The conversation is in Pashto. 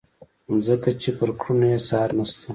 ځکه چې پر کړنو یې څار نشته.